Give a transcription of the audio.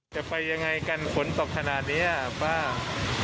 จะไปยังไงกันฝนตกขนาดนี้ป้า